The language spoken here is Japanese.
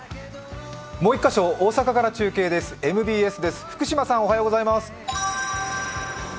大阪から中継ですＭＢＳ・福島さん。